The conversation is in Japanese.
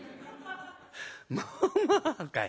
「まあまあかい。